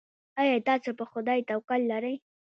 ایا تاسو په خدای توکل لرئ؟